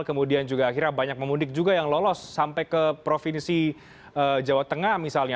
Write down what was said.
kemudian juga akhirnya banyak pemudik juga yang lolos sampai ke provinsi jawa tengah misalnya